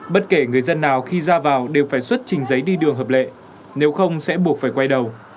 bất kể người dân nào khi ra vào đều phải xuất trình giấy đi đường hợp lệ nếu không sẽ buộc phải quay đầu